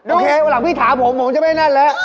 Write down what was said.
โอเควันหลังพี่ถามผมผมจะไม่นั่นแล้ว